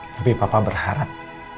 tapi papa berharap